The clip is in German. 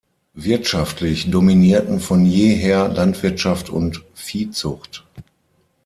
Wirtschaftlich dominierten von jeher Landwirtschaft und Viehzucht.